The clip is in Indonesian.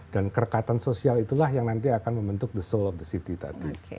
dan kerekatan sosial itulah yang nanti akan membentuk the soul of the city tadi